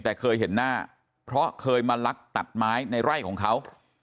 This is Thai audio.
แต่เคยเห็นหน้าเพราะเคยมาลักตัดไม้ในไร่ของเขา